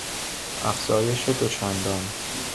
افزایش دو چندان